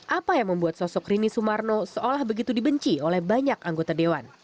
apa yang membuat sosok rini sumarno seolah begitu dibenci oleh banyak anggota dewan